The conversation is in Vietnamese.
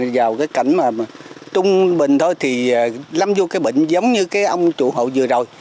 vào cái cảnh mà trung bình thôi thì lâm vô cái bệnh giống như cái ông chủ hộ vừa rồi